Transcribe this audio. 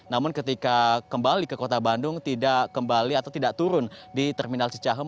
namun ketika kembali ke kota bandung tidak kembali atau tidak turun di terminal cicahem